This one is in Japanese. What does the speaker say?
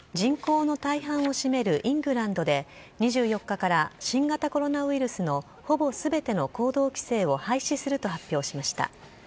ジョンソン首相は、人口の大半を占めるイングランドで、２４日から新型コロナウイルスのほぼすべての行動規制を廃止すると発表しました。